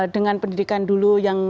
dengan pendidikan dulu yang